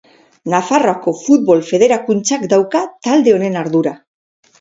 Nafarroako Futbol Federakuntzak dauka talde honen ardura.